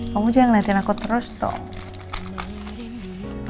kamu jangan latihan aku terus toh